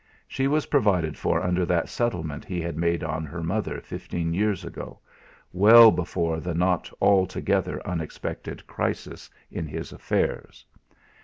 She was provided for under that settlement he had made on her mother fifteen years ago, well before the not altogether unexpected crisis in his affairs.